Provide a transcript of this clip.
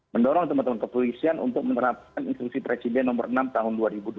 mendorong teman teman kepolisian untuk menerapkan instruksi presiden nomor enam tahun dua ribu dua puluh